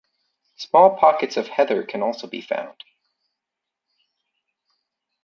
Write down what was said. Small pockets of heather can also be found.